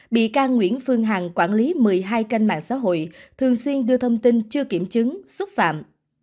bị can nguyễn phương hằng quản lý một mươi hai kênh mạng xã hội thường xuyên đưa thông tin chưa kiểm chứng xúc phạm